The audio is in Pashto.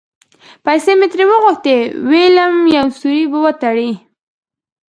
پیسې مې ترې وغوښتې؛ وېلم یو سوری به وتړي.